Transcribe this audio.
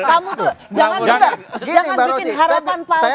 kamu tuh jangan bikin harapan palsu gitu dong